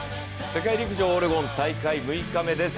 世界陸上オレゴン大会６日目です。